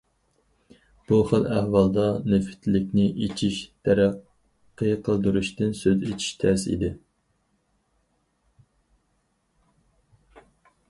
بۇ خىل ئەھۋالدا نېفىتلىكنى ئېچىش، تەرەققىي قىلدۇرۇشتىن سۆز ئېچىش تەس ئىدى.